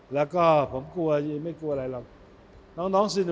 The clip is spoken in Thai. แล้วก็ผมกลัวไม่กลัวอะไรหรอกน้องน้องน่ะ